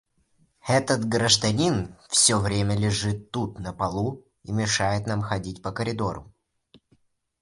Этот гражданин все время лежит тут на полу и мешает нам ходить по коридору.